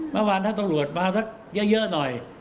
เมื่อวานถ้าตำรวจมาสักเยอะหน่อย